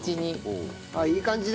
いい感じに。